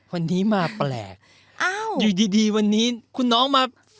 วันนี้มาแปลกอ้าวอยู่ดีวันนี้คุณน้องมา